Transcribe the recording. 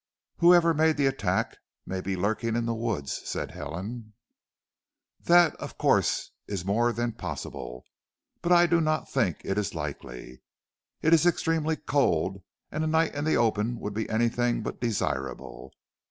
"Whoever made the attack may be lurking in the woods!" said Helen. "That of course is more than possible, but I do not think it is likely. It is extremely cold and a night in the open would be anything but desirable.